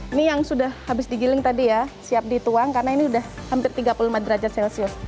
ini yang sudah habis digiling tadi ya siap dituang karena ini sudah hampir tiga puluh lima derajat celcius